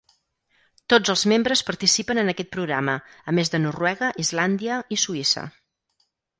Tots els membres participen en aquest programa a més de Noruega, Islàndia i Suïssa.